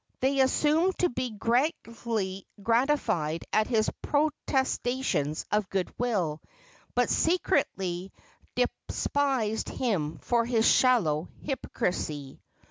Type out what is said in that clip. They assumed to be greatly gratified at his protestations of good will, but secretly despised him for his shallow hypocrisy.